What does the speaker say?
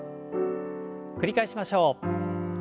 繰り返しましょう。